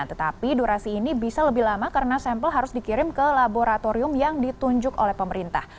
tetapi durasi ini bisa lebih lama karena sampel harus dikirim ke laboratorium yang ditunjuk oleh pemerintah